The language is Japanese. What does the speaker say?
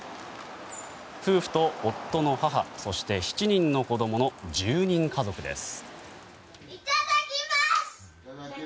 夫婦と夫の母そして７人の子供の１０人家族です。